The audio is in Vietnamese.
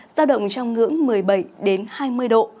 giao động trong ngưỡng một mươi bảy hai mươi độ